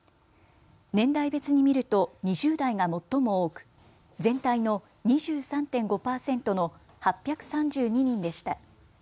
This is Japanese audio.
年代別に見ると２０代が最も多く全体の２３．５％の８３２人でした。